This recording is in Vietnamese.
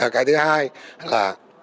cái thứ hai là